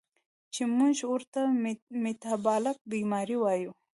چې مونږ ورته ميټابالک بیمارۍ وايو